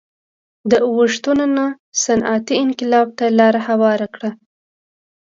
دا اوښتونونه صنعتي انقلاب ته لار هواره کړه